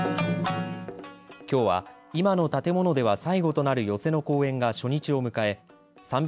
きょうは今の建物では最後となる寄席の公演が初日を迎え３００